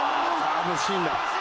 あのシーンだ」